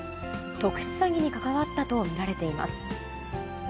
特殊詐欺に関わったと見られています。